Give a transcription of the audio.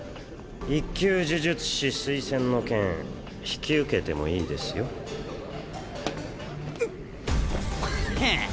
１級呪術師推薦の件引き受けてもいいですうっ。